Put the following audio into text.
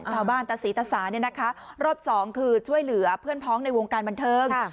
ชาวบ้านตะสีตะสารอบ๒คือช่วยเหลือเพื่อนพ้องในวงการบันเทิง